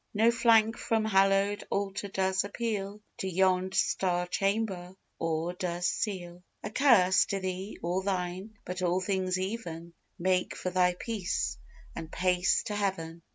No plank from hallow'd altar does appeal To yond' Star chamber, or does seal A curse to thee, or thine; but all things even Make for thy peace, and pace to heaven.